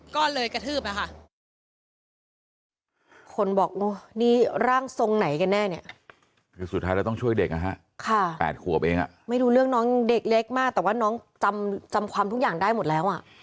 ก็เลยกระทืบนะคะ